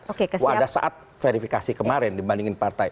walaupun ada saat verifikasi kemarin dibandingin partai